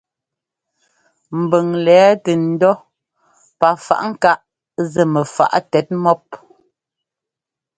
Mbʉŋ lɛɛ tɛ ńdɔ́ pafaꞌŋkáꞌ zɛ mɛfaꞌ tɛt mɔ́p.